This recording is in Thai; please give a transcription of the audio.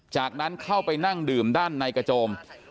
จากนั้นเข้าไปนั่งดื่มด้านในกระโจม